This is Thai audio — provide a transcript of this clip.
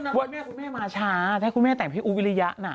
ว่าแม่คุณแม่มาช้าถ้าคุณแม่แต่งพี่อุ๊บวิริยะน่ะ